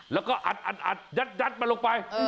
แล้วก็อัดยัดมันลงไป